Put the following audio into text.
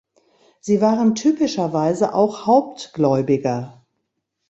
Sie waren typischerweise auch Hauptgläubiger.